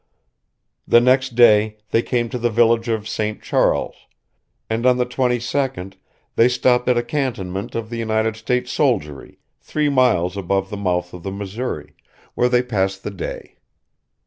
The next day they came to the village of St. Charles; and on the 22d they stopped at a cantonment of United States soldiery, three miles above the mouth of the Missouri, where they passed the day.